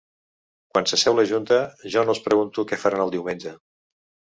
Quan s’asseu la junta jo no els pregunto què faran el diumenge.